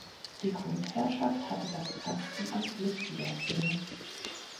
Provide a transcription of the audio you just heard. Die Grundherrschaft hatte das Kastenamt Lichtenberg inne.